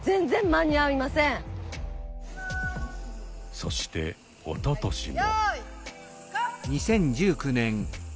そしておととしも。